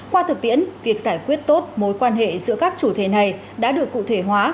qua thực tiễn việc giải quyết tốt mối quan hệ giữa các chủ thể này đã được cụ thể hóa